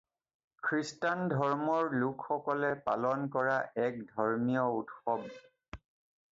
খ্ৰীষ্টান ধৰ্মৰ লোকসকলে পালন কৰা এক ধৰ্মীয় উৎসৱ।